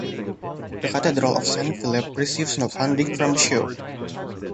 The Cathedral of Saint Philip receives no funding from the Show.